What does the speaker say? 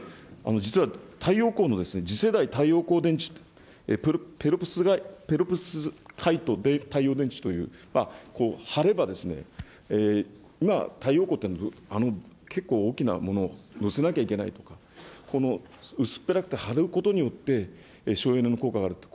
実は太陽光の、次世代太陽光電池、太陽電池という、貼ればですね、今は太陽光というのは、結構大きなもの、載せなきゃいけないとか、薄っぺらくて貼ることによって省エネの効果があると。